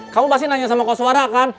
kamu pasti nanya sama koswara kan